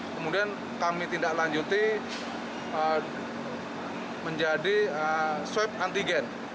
kemudian kami tindak lanjuti menjadi swab antigen